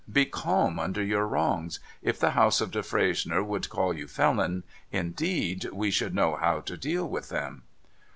Be calm under your wrongs. If the House of Defresnier would call you felon, indeed, we should know how to deal with them.'